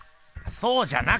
そうじゃなくて！